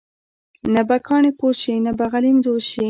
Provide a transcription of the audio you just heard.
نه به کاڼې پوست شي، نه به غلیم دوست شي.